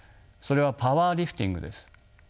それはパワーリフティングです。